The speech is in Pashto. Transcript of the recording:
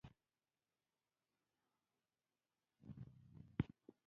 ټپي ته باید د خوښیو دروازې پرانیزو.